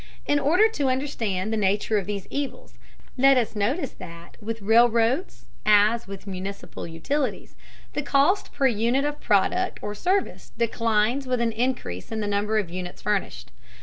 In order to understand the nature of these evils, let us notice that with railroads, as with municipal utilities, the cost per unit of product or service declines with an increase in the number of units furnished.